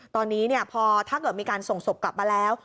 ตอนนี้พอถ้าเกิดมีการส่งศพกลับมาแล้ว